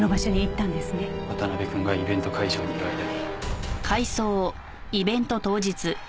渡辺くんがイベント会場にいる間に。